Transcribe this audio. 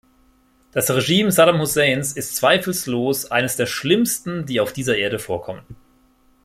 Das Regime Saddam Husseins ist zweifellos eines der schlimmsten, die auf dieser Erde vorkommen.